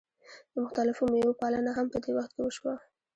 د مختلفو میوو پالنه هم په دې وخت کې وشوه.